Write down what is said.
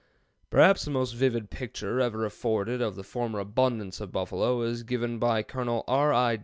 ] Perhaps the most vivid picture ever afforded of the former abundance of buffalo is that given by Col. R. I.